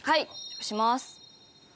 押します。